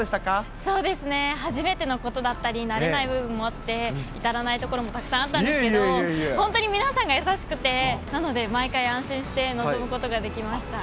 初めてのことだったり、慣れない部分もあって至らないところもたくさんあったんですけど、本当に皆さんが優しくて、なので毎回安心して臨むことができました。